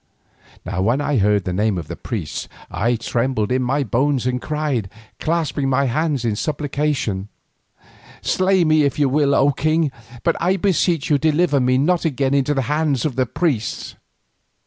Now when I heard the name of the priests I trembled in all my bones and cried, clasping my hands in supplication: "Slay me if you will, O king, but I beseech you deliver me not again into the hands of the priests."